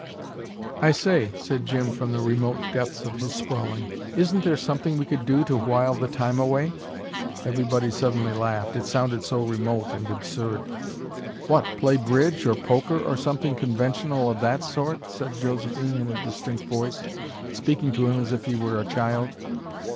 "I say," said Jim, from the remote depths of his sprawling. "Isn't there something we could do to while the time away?" Everybody suddenly laughed it sounded so remote and absurd. "What, play bridge or poker or something conventional of that sort?" said Josephine in her distinct voice, speaking to him as if he were a child.